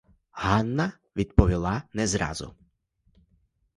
Ганна відповіла не зразу.